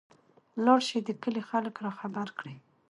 لاړشى د کلي خلک راخبر کړى.